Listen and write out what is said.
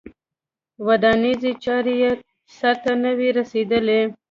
ودانیزې چارې یې سرته نه وې رسېدلې.